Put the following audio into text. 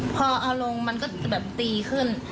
พอเอาลงมันก็จะแบบตีขึ้น